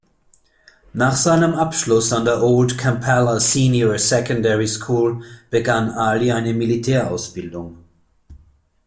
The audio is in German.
Nach seinem Abschluss an der Old Kampala Senior Secondary School begann Ali eine Militärausbildung.